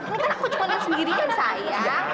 ini kan aku cuma liat sendirian sayang